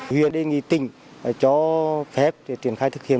huyện đề nghị tỉnh cho phép để triển khai thực hiện